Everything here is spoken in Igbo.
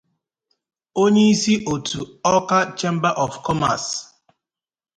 onyeisi òtù 'Awka Chamber of Commerce